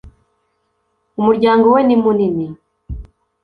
umuryango we ni munini